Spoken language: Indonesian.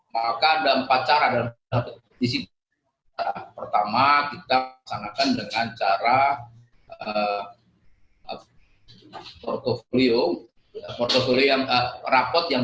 maka ada empat cara dan disitu pertama kita akan dengan cara portfolio portfolio yang rapot yang